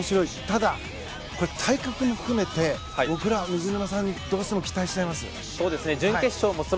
ただ、体格も含めて僕らは水沼さんにどうしても期待しちゃいます。